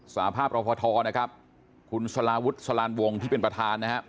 สหภาพรพทคุณสลาวุธสลานวงศ์ที่เป็นประธานนะครับ